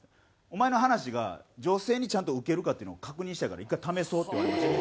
「お前の話が女性にちゃんとウケるかっていうのを確認したいから１回試そう」って言われまして。